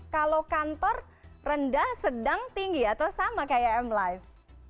kalau kantor rendah sedang tinggi atau sama kayak m life